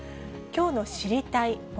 きょうの知りたいッ！